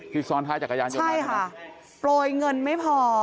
ซ้อนท้ายจักรยานยนต์ใช่ค่ะโปรยเงินไม่พอ